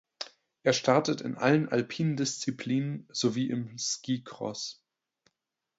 Er startet in allen alpinen Disziplinen sowie im Skicross.